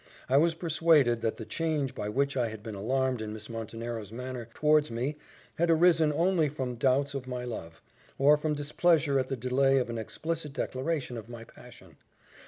I was persuaded that the change by which I had been alarmed in Miss Montenero's manner towards me had arisen only from doubts of my love, or from displeasure at the delay of an explicit declaration of my passion.